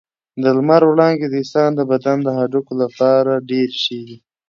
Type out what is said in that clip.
د لمر وړانګې د انسان د بدن د هډوکو لپاره ډېرې ښې دي.